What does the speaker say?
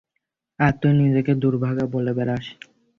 আর তুই নিজেকে দুর্ভাগা বলে বেড়াস।